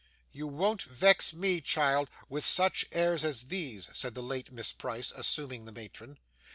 'You won't vex me, child, with such airs as these,' said the late Miss Price, assuming the matron.